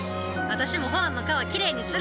私もホアンの川きれいにする！